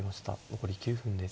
残り９分です。